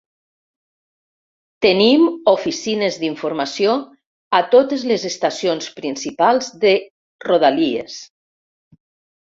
Tenim oficines d'informació a totes les estacions principals de Rodalies.